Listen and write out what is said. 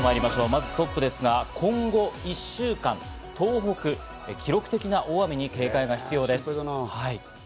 まずトップは今後１週間、東北、記録的な大雨に警戒が必要です。